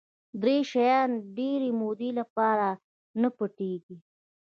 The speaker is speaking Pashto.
دری شیان د ډېرې مودې لپاره نه پټ کېږي.